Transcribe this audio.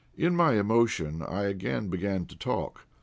In my emotion I again began to talk.